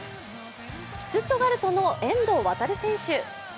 シュツットガルトの遠藤航選手。